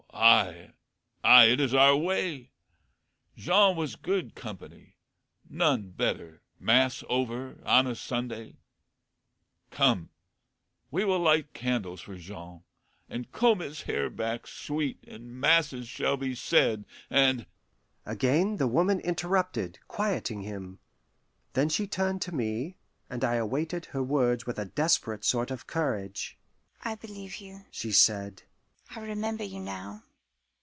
Ay, ay, it is our way. Jean was good company none better, mass over, on a Sunday. Come, we will light candles for Jean, and comb his hair back sweet, and masses shall be said, and " Again the woman interrupted, quieting him. Then she turned to me, and I awaited her words with a desperate sort of courage. "I believe you," she said. "I remember you now.